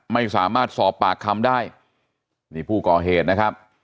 ไม่สามารถสอบปากคำได้นี่ผู้ก่อเหตุนะครับ